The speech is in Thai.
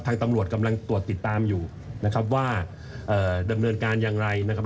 ตำรวจกำลังตรวจติดตามอยู่นะครับว่าดำเนินการอย่างไรนะครับ